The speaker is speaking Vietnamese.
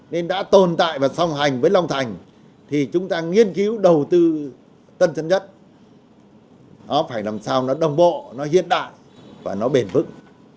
nên đã tồn tại và song hành với long thành thì chúng ta nghiên cứu đầu tư tân sơn nhất nó phải làm sao nó đồng bộ nó hiện đại và nó bền vững